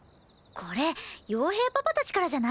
これ洋平パパたちからじゃない？